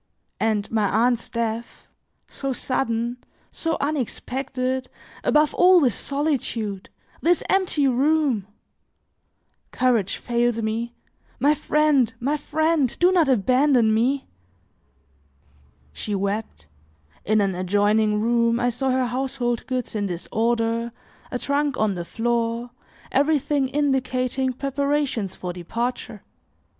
And my aunt's death, so sudden, so unexpected, above all this solitude! this empty room! Courage fails me; my friend, my friend, do not abandon me!" She wept; in an adjoining room, I saw her household goods in disorder, a trunk on the floor, everything indicating preparations for departure.